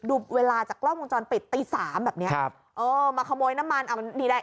ดูเวลาจากกล้องวงจรปิดตีสามแบบเนี้ยครับเออมาขโมยน้ำมันอ่ะมันดีได้